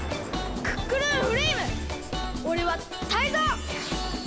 クックルンフレイムおれはタイゾウ！